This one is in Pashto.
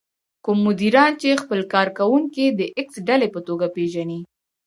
کوم مديران چې خپل کار کوونکي د ايکس ډلې په توګه پېژني.